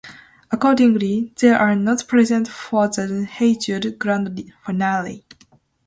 Accordingly, they were not present for the "Hey Jude" grand finale.